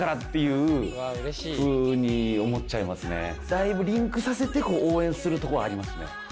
だいぶリンクさせて応援するとこはありますね。